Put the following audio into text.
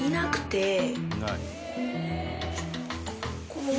ここは。